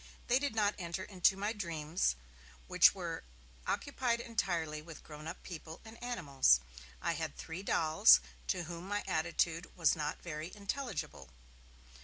They did not enter into my dreams, which were occupied entirely with grown up people and animals. I had three dolls, to whom my attitude was not very intelligible.